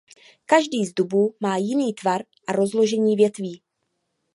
Každý z dubů má jiný tvar a rozložení větví.